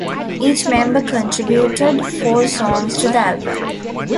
Each member contributed four songs to the album.